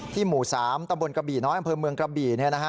หมู่๓ตะบนกระบี่น้อยอำเภอเมืองกระบี่